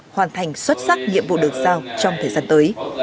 hoàn thành xuất sắc nhiệm vụ được giao trong thời gian tới